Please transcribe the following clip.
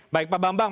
baik pak bambang